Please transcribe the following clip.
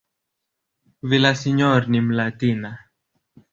Villaseñor ni "Mlatina".